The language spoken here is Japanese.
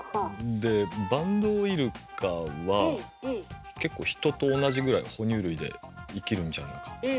でバンドウイルカは結構人と同じぐらいは哺乳類で生きるんじゃなかったかな。